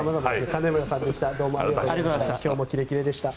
金村さんでした。